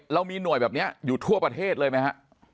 เรามีหน่วยแบบนี้อยู่ทั่วประเทศเลยไหมฮะ